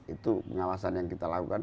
itu pengawasan yang kita lakukan